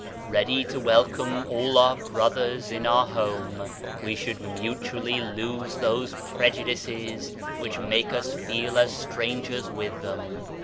Ready to welcome PATRIOTISM 163 all our brothers in our home, we should mutually lose those prejudices which make us feel as strangers with them.